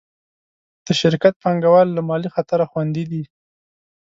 د شرکت پانګهوال له مالي خطره خوندي دي.